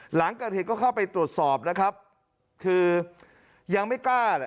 หลังเกิดเหตุก็เข้าไปตรวจสอบนะครับคือยังไม่กล้าแหละ